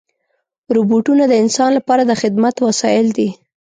روبوټونه د انسان لپاره د خدمت وسایل دي.